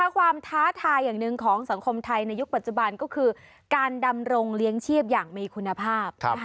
ท้าทายอย่างหนึ่งของสังคมไทยในยุคปัจจุบันก็คือการดำรงเลี้ยงชีพอย่างมีคุณภาพ